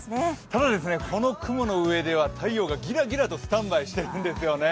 ただ、この雲の上では太陽がギラギラとスタンバイしているんですよね。